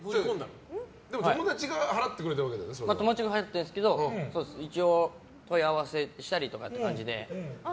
でも友達が友達が払ったんですけど一応、問い合わせしたりとかっていう感じで。